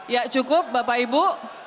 ya cukup bapak ibu